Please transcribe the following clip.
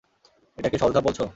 এটাকে সহজ ধাপ বলছ?